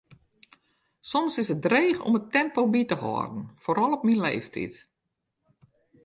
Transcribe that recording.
Soms is it dreech om it tempo by te hâlden, foaral op myn leeftiid.